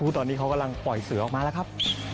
ตอนนี้เขากำลังปล่อยเสือออกมาแล้วครับ